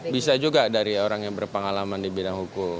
bisa juga dari orang yang berpengalaman di bidang hukum